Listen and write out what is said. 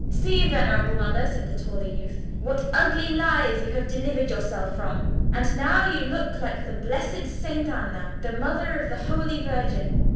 "See, venerable mother," said the taller youth, "what ugly lies you have delivered yourself from! And now you look like the blessed Saint Anna, the mother of the Holy Virgin."